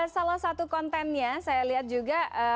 salah satu kontennya saya lihat juga